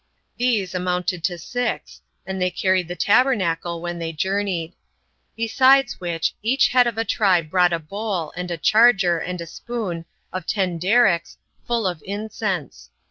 These amounted to six, and they carried the tabernacle when they journeyed. Besides which, each head of a tribe brought a bowl, and a charger, and a spoon, of ten darics, full of incense.